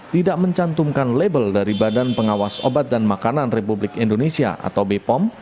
tidak mencantumkan label dari badan pengawas obat dan makanan republik indonesia atau bepom